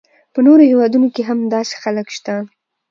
په نورو هیوادونو کې هم داسې خلک شته.